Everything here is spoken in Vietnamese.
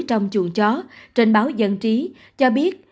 trong chuồng chó trên báo dân trí cho biết